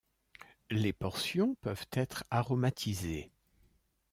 Les portions peuvent être aromatisées.